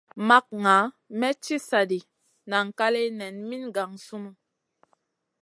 Makŋa may ci sa ɗi nan kaleya nen min gangsunu.